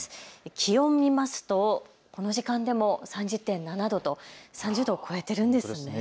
気温、見ますとこの時間でも３０．７度と３０度を超えているんですね。